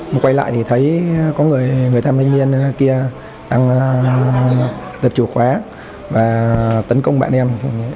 một quay lại thì thấy có người tham thanh niên kia đang đặt chìa khóa và tấn công bạn em